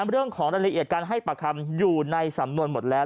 เรื่องของรายละเอียดการให้ปากคำอยู่ในสำนวนหมดแล้ว